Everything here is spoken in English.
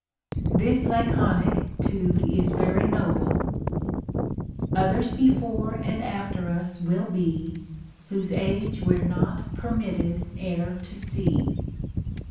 This Laconic too is very noble :— Others before and after us will be, Whose age we're not permitted e'er to see.